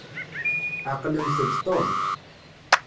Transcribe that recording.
Ɛqlemt-d Tom.